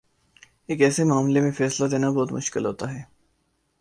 ایک ایسے معاملے میں فیصلہ دینا بہت مشکل ہوتا ہے۔